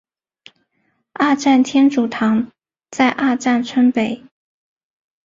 二站天主堂在二站村北。